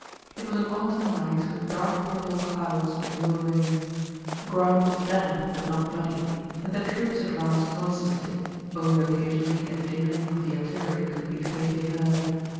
It was an autumn night with dark purple clouds, but no rain. The ground was damp but not muddy, and the troops advanced noiselessly, only occasionally a jingling of the artillery could be faintly heard.